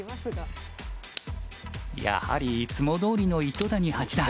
やはりいつもどおりの糸谷八段。